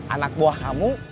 anak buah kamu